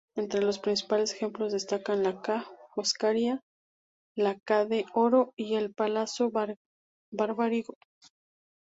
Entre los principales ejemplos, destacan la Ca' Foscari, la Ca' d'Oro y el Palazzo Barbarigo.